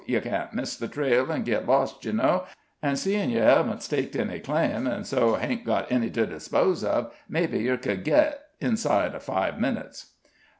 Ye can't miss the trail an' git lost, ye know. An', seein' yer hevn't staked any claim, an' so hain't got any to dispose of, mebbe yer could git, inside of five minutes."